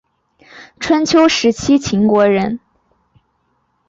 春秋时期秦国人。